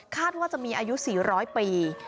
ว่าจะมีอายุ๔๐๐ปี